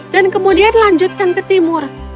dan kemudian lanjutkan ke timur